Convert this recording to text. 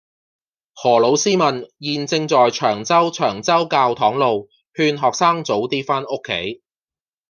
何老師問現正在長洲長洲教堂路勸學生早啲返屋企